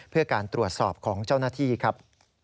เพื่อการตรวจสอบของเจ้าหน้าที่ครับ